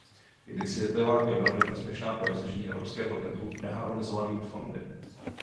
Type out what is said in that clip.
Iniciativa je velmi prospěšná pro dosažení evropského trhu neharmonizovanými fondy.